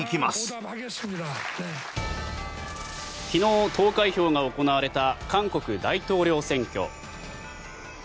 昨日、投開票が行われた韓国大統領選挙。